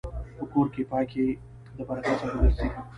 په کور کې پاکي د برکت سبب ګرځي.